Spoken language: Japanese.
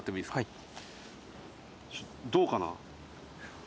はい。